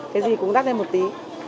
cái gì cũng đắt lên một tí